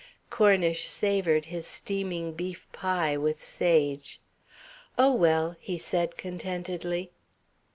Cornish savoured his steaming beef pie, with sage. "Oh, well!" he said contentedly.